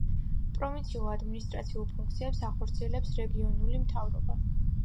პროვინციულ ადმინისტრაციულ ფუნქციებს ახორციელებს რეგიონული მთავრობა.